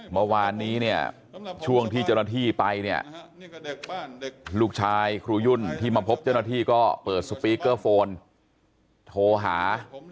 เมื่อวานนี้เนี่ยช่วงที่เจ้าหน้าที่ไปเนี่ยลูกชายครูยุ่นที่มาพบเจ้าหน้าที่ก็เปิดสปีกเกอร์โฟนโทรหา